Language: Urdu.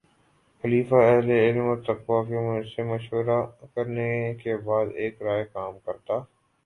خلیفہ اہلِ علم و تقویٰ سے مشورہ کرنے کے بعد ایک رائے قائم کرتا